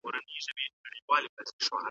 پوهاوی خلک مرسته کوي.